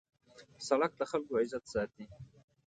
سړک د خلکو عزت ساتي.